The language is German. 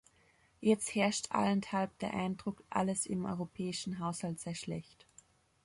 Jetzt herrscht allenthalben der Eindruck, alles im europäischen Haushalt sei schlecht.